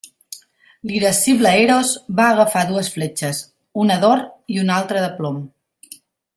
L'irascible Eros va agafar dues fletxes, una d'or i una altra de plom.